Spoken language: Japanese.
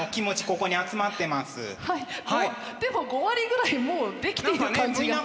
でも５割ぐらいもうできている感じが。